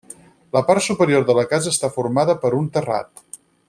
La part superior de la casa està formada per un terrat.